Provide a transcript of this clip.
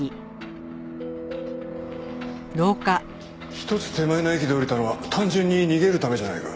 １つ手前の駅で降りたのは単純に逃げるためじゃないか？